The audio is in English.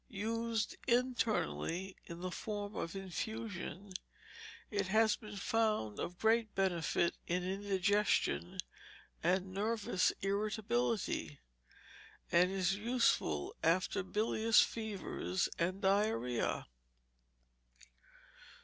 Used internally, in the form of infusion, it has been found of great benefit in indigestion and nervous irritability, and is useful after bilious fevers and diarrhoea.